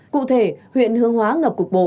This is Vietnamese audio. cụ thể huyện hướng hóa ngập cục bộ